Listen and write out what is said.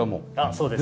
そうです。